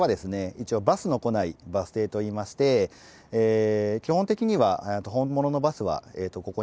一応バスの来ないバス停といいまして基本的には本物のバスはここに来ることはありません。